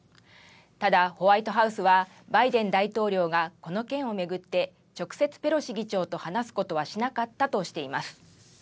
ただ、ホワイトハウスはバイデン大統領がこの件を巡って直接、ペロシ議長と話すことはしなかったとしています。